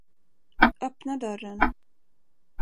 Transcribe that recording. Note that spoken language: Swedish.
Öppna dörren.